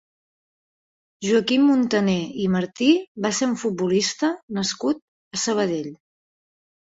Joaquim Montané i Martí va ser un futbolista nascut a Sabadell.